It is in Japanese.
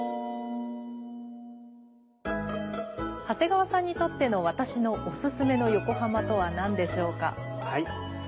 長谷川さんにとっての「私のおすすめの横浜」とはなんでしょうか？